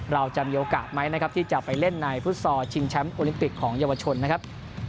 เราจะมีโอกาสไหมนะครับที่จะไปเล่นในฟุตซอลชิงแชมป์โอลิมปิกของเยาวชนนะครับ